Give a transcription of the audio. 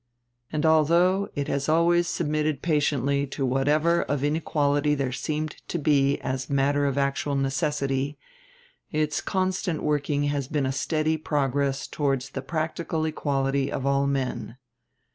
And although it has always submitted patiently to whatever of inequality there seemed to be as matter of actual necessity, its constant working has been a steady progress towards the practical equality of all men.